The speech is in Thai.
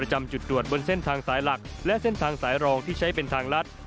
จำจุดตรวจบนเส้นทางสายหลักและเส้นทางสายรองที่ใช้เป็นทางลัด